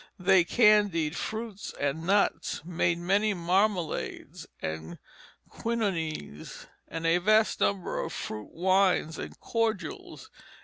They candied fruits and nuts, made many marmalades and quiddonies, and a vast number of fruit wines and cordials.